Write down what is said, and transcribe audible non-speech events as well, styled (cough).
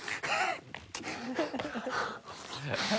ハハハ (laughs)